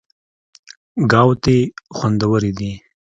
ګاوتې خوندورې دي.